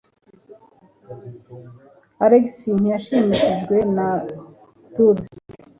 Alex ntiyashimishijwe na Dulce.